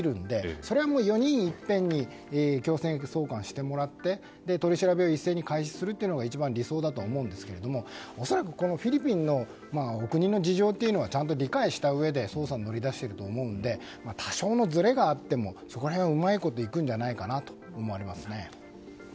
それは４人いっぺんに強制送還してもらって取り調べを一斉に開始するのが理想だと思うんですけど恐らくフィリピンのお国の事情をちゃんと理解したうえで捜査に乗り出していると思うので多少のずれがあってもそこら辺はうまくいくのではないかと思われますね。